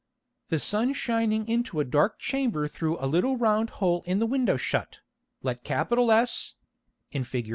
_ 15. The Sun shining into a dark Chamber through a little round Hole in the Window shut, let S [in _Fig.